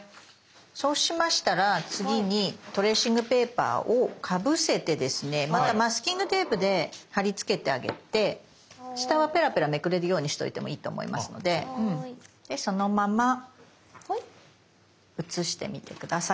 そうしましたら次にトレーシングペーパーをかぶせてですねまたマスキングテープで貼り付けてあげて下はペラペラめくれるようにしといてもいいと思いますのででそのまま写してみて下さい。